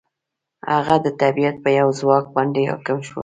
هغه د طبیعت په یو ځواک باندې حاکم شو.